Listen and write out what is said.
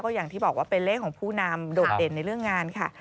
อย่างที่บอกว่าเป็นเลขของผู้นำโดดเด่นในเรื่องงานค่ะ